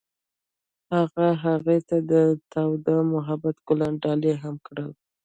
هغه هغې ته د تاوده محبت ګلان ډالۍ هم کړل.